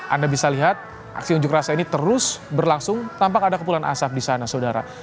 anda bisa lihat aksi unjuk rasa ini terus berlangsung tampak ada kepulan asap di sana saudara